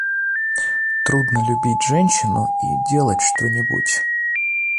Трудно любить женщину и делать что-нибудь.